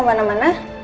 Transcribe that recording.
aku mau kemana mana